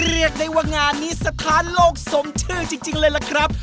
เรียกได้ว่างานนี้สถานโลกสมชื่อจริงเลยล่ะครับ